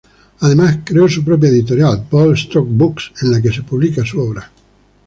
Además creó su propia editorial, Bold Strokes Books, en la que publica su obra.